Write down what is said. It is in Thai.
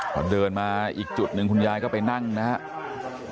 พอเดินมาอีกจุดหนึ่งคุณยายก็ไปนั่งนะครับ